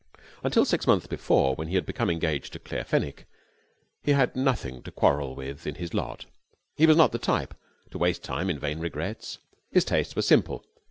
Until six months before, when he had become engaged to Claire Fenwick, he had found nothing to quarrel with in his lot. He was not the type to waste time in vain regrets. His tastes were simple.